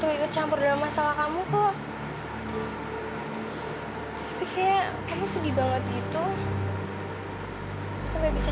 aku bahkan gak tau siapa orang tua aku